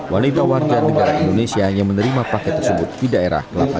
wanita warga negara indonesia yang menerima paket tersebut di daerah kelapa jari